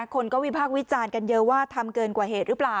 คนก็วิพากษ์วิจารณ์กันเยอะว่าทำเกินกว่าเหตุหรือเปล่า